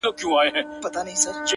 طبله، باجه، منگی، سیتار، رباب، ه یاره،